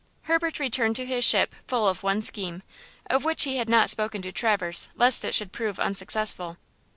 Herbert returned to his ship full of one scheme, of which he had not spoken to Traverse lest it should prove unsuccessful.